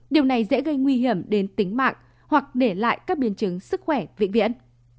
điều này dễ gây nguy hiểm đến tính mạng hoặc để lại các biến chứng sức khỏe vĩnh viễn